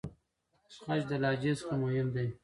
خج د لهجې څخه مهم دی.